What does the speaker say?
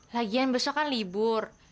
lagian besok kan libur